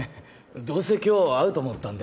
どうせ今日会うと思ったんで